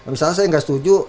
misalnya saya nggak setuju